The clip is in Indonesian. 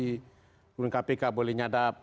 kemudian kpk boleh menyadap